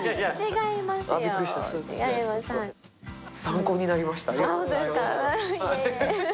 参考になりました。